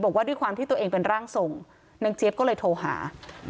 บอกว่าด้วยความที่ตัวเองเป็นร่างทรงนางเจี๊ยบก็เลยโทรหา